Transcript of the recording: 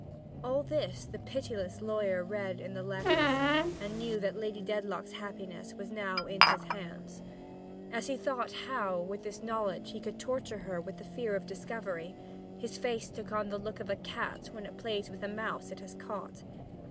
All this the pitiless lawyer read in the letters, and knew that Lady Dedlock's happiness was now in his hands. And as he thought how, with this knowledge, he could torture her with the fear of discovery, his face took on the look of a cat's when it plays with a mouse it has caught.